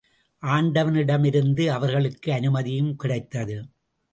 ஆண்டவனிடமிருந்து அவர்களுக்கு அனுமதியும் கிடைத்தது.